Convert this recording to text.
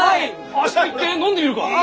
明日行って飲んでみるか！